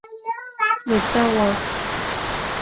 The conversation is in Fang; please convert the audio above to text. Me ta wa ;